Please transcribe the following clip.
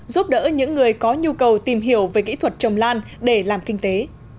giúp đỡ những người có nhu cầu tìm hiểu về kỹ thuật trồng lan để làm kinh tế